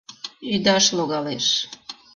— Ӱдаш логалеш.